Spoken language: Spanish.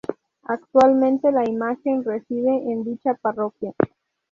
Actualmente la Imagen reside en dicha parroquia.